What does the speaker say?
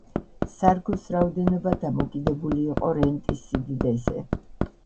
სარგოს რაოდენობა დამოკიდებული იყო რენტის სიდიდეზე.